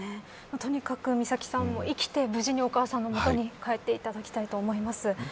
とにかく美咲さんも生きて無事にお母さんのもとに帰っていただきたいと思います。